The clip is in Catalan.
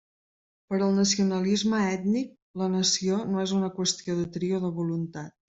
Per al nacionalisme ètnic, la nació no és una qüestió de tria o de voluntat.